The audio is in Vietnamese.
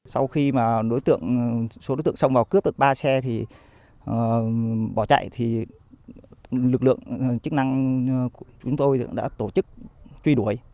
sau khi số đối tượng xông vào cướp được ba xe bỏ chạy lực lượng chức năng của chúng tôi đã tổ chức truy đuổi